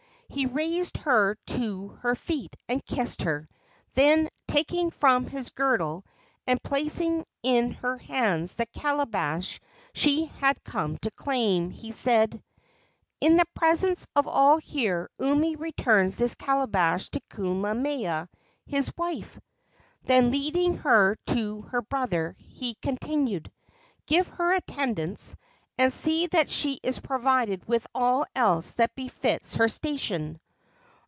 He raised her to her feet and kissed her; then, taking from his girdle and placing in her hands the calabash she had come to claim, he said: "In the presence of all here Umi returns this calabash to Kulamea, his wife!" Then, leading her to her brother, he continued: "Give her attendants, and see that she is provided with all else that befits her station."